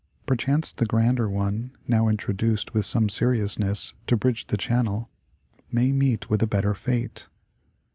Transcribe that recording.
Perchance the grander one, now introduced with some seriousness, to bridge the channel, may meet with a better fate.